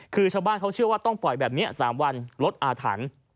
คือชาวบ้านเขาเชื่อว่าต้องปล่อยแบบนี้๓วันลดอาถรรพ์